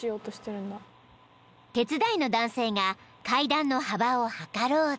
［手伝いの男性が階段の幅を測ろうと］